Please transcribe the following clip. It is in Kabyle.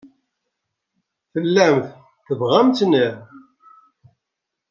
Tellamt tebɣamt-tt, naɣ?